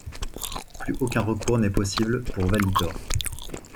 Plus aucun recours n'est possible pour Valitor.